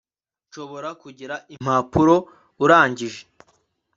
Nshobora kugira impapuro urangije